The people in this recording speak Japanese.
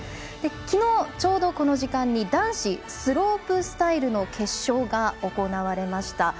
昨日ちょうど、この時間に男子スロープスタイルの決勝が行われました。